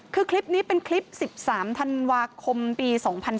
คือคลิปนี้เป็นคลิป๑๓ธันวาคมปี๒๔